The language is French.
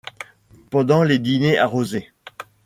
Pendant les dîners arrosés.